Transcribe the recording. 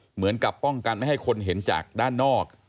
เหมือนกับป้องกันไม่ให้คนเห็นจากด้านนอก